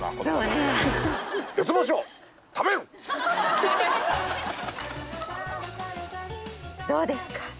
どうですか？